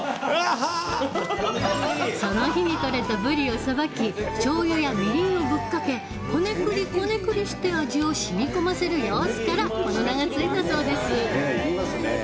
その日にとれたブリをさばきしょうゆや、みりんをぶっかけこねくり、こねくりして味をしみこませる様子からこの名が付いたそうです。